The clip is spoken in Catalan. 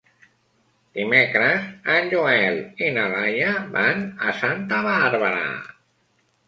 Dimecres en Joel i na Laia van a Santa Bàrbara.